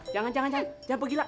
jangan jangan jangan pergilah